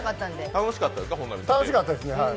楽しかったですね。